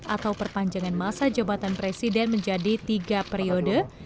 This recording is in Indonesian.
atau perpanjangan masa jabatan presiden menjadi tiga periode